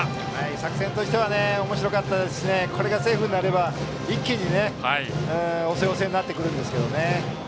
作戦としてはおもしろかったですしこれがセーフになれば一気に押せ押せになるんですが。